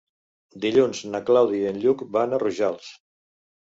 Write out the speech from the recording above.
Dilluns na Clàudia i en Lluc van a Rojals.